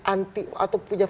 anti atau punya